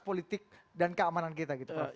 politik dan keamanan kita gitu prof